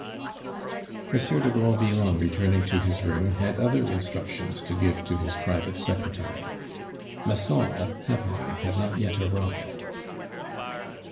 Monsieur de Granville on returning to his room had other instructions to give to his private secretary. Massol, happily had not yet arrived.